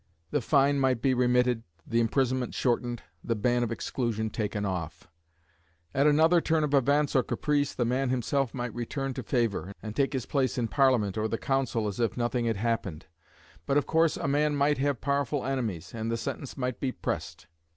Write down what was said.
The fine might be remitted, the imprisonment shortened, the ban of exclusion taken off. At another turn of events or caprice the man himself might return to favour, and take his place in Parliament or the Council as if nothing had happened. But, of course, a man might have powerful enemies, and the sentence might be pressed.